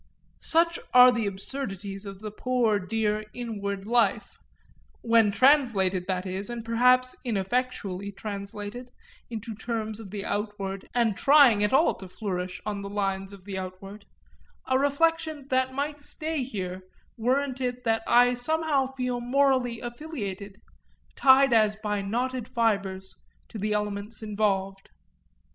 Such are the absurdities of the poor dear inward life when translated, that is, and perhaps ineffectually translated, into terms of the outward and trying at all to flourish on the lines of the outward; a reflection that might stay me here weren't it that I somehow feel morally affiliated, tied as by knotted fibres, to the elements involved.